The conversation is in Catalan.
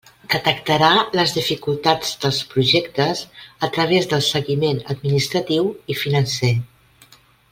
Detectarà les dificultats dels projectes a través del seguiment administratiu i financer.